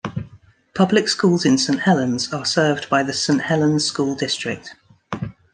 Public schools in Saint Helens are served by the Saint Helens School District.